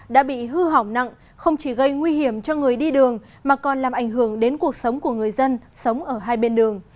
đã bị hư hỏng nặng không chỉ gây nguy hiểm cho người đi đường mà còn làm ảnh hưởng đến cuộc sống của người dân sống ở hai bên đường